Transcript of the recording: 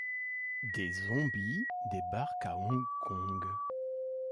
Des zombies débarquent à Hong Kong.